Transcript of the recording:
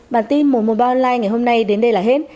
bản tin một trăm một mươi ba online ngày hôm nay đến đây là hết